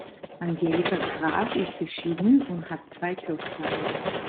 Angelika Graf ist geschieden und hat zwei Töchter.